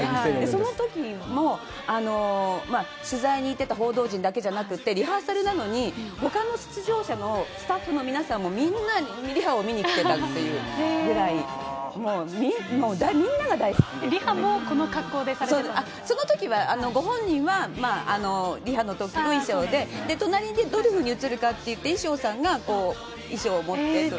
そのときの取材に行ってた報道陣だけじゃなくって、リハーサルなのに、ほかの出場者のスタッフの皆さんも、みんなリハを見に来てたっていうぐらい、みんなが大好リハもこの格好でされてたんそのときはご本人はリハのときの衣装で、隣でどういうふうに映るかって、衣装さんが衣装を持ってという。